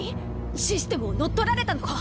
システムを乗っ取られたのか？